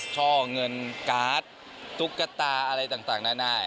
ช่อเงินการ์ดตุ๊กตาอะไรต่างนานา